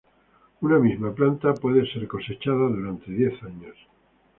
Una misma planta puede ser cosechada durante diez años.